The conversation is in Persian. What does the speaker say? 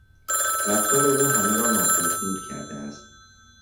رفتار او همه را ناخشنود کرده است.